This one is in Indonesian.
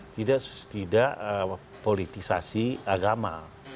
tidak politisasi agama